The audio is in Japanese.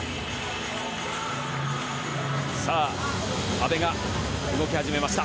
阿部が動き始めました。